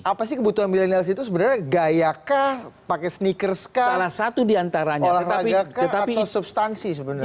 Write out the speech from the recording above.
apa sih kebutuhan milenials itu sebenarnya gayakah pakai sneakerskah olahraga kah atau substansi sebenarnya